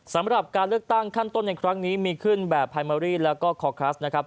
สำหรับการเลือกตั้งขั้นต้นในครั้งนี้มีขึ้นแบบไฮเมอรี่แล้วก็คอคลัสนะครับ